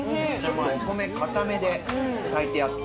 お米固めで炊いてあって。